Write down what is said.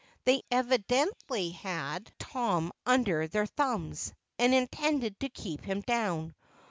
They evidently had Tom under their thumbs, and intended to keep him down.